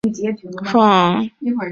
香港文学一向较自由及开放。